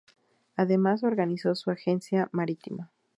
Además organizó su agencia marítima.